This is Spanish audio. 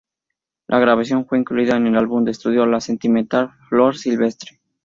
La grabación fue incluida en el álbum de estudio "La sentimental Flor Silvestre".